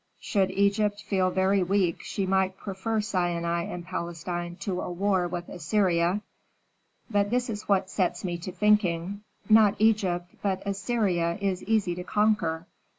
Should Egypt feel very weak she might prefer Sinai and Palestine to a war with Assyria. But this is what sets me to thinking: Not Egypt, but Assyria, is easy to conquer.